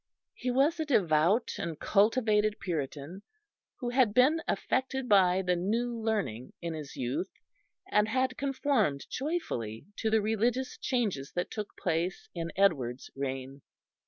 He was a devout and cultivated Puritan, who had been affected by the New Learning in his youth, and had conformed joyfully to the religious changes that took place in Edward's reign.